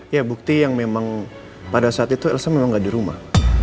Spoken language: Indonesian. ya bukti yang memang pada saat itu elsa memang nggak di rumah